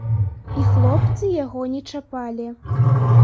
І хлопцы яго не чапалі.